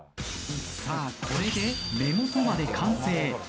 さあこれで目元まで完成。